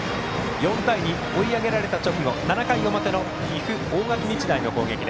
４対２、追い上げられた直後の７回の表の岐阜・大垣日大の攻撃。